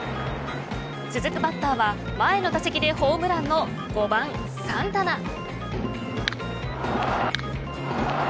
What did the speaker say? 続くバッターは前の打席でホームランの５番、サンタナ。